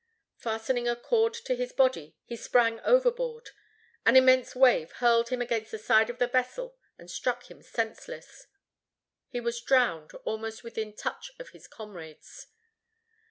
Fastening a cord to his body, he sprang overboard; an immense wave hurled him against the side of the vessel and struck him senseless. He was drowned almost within touch of his comrades.